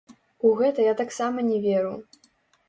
У гэта я таксама не веру.